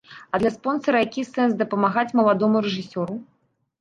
А для спонсара які сэнс дапамагаць маладому рэжысёру?